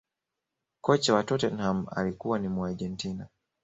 kocha wa tottenham alikuwa ni muargentina